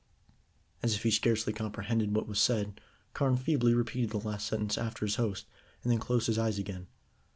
As if he scarcely comprehended what was said, Carne feebly repeated the last sentence after his host, and then closed his eyes again.